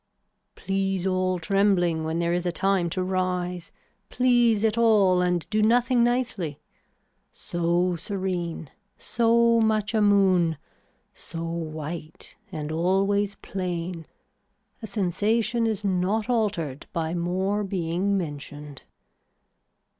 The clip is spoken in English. Please all trembling when there is a time to rise, please it all and do nothing nicely. So serene, so much a moon, so white and always plain, a sensation is not altered by more being mentioned.